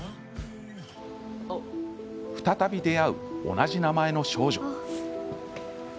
再び出会う、同じ名前の少女。